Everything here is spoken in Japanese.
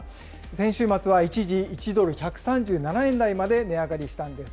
先週末は一時、１ドル１３７円台まで値上がりしたんです。